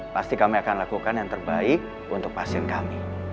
pasti kami akan lakukan yang terbaik untuk pasien kami